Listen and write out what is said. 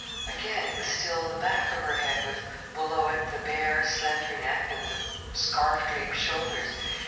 Again it was still the back of her head with below it the bare, slender neck and the scarf draped shoulders.